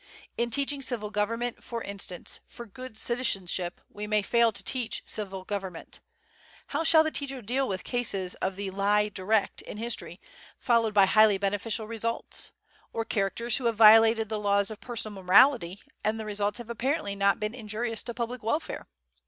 In teaching civil government, for instance, for "good citizenship," we may fail to teach civil government. How shall the teacher deal with cases of the "lie direct" in history, followed by highly beneficial results? Or characters who have violated the laws of personal morality and the results have apparently not been injurious to public welfare?